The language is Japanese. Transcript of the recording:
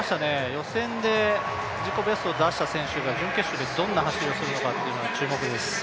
予選で自己ベスト出した選手が準決勝でどんな走りをするのかというのが注目です。